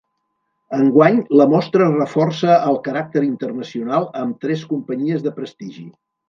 Enguany la mostra reforça el caràcter internacional amb tres companyies de prestigi.